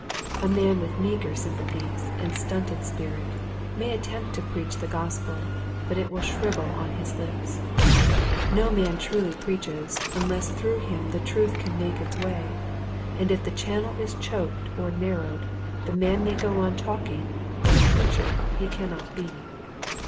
A man with meager sympathies and stunted spirit may attempt to preach the Gospel but it will shrivel on his lips. No man truly preaches unless through him the truth can make its way, and if the channel is choked or narrowed the man may go on talking but a preacher he can not be.